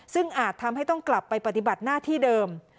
ซึ่งอาจทำให้ต้องกลับไปปฏิบัติหน้าที่เดิม